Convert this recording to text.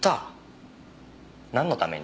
なんのために？